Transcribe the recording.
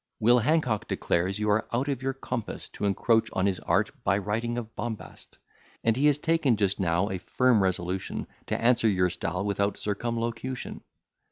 Will Hancock declares, you are out of your compass, To encroach on his art by writing of bombast; And has taken just now a firm resolution To answer your style without circumlocution.